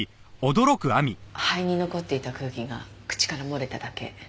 肺に残っていた空気が口から漏れただけ。